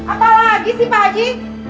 apa lagi sih pak haji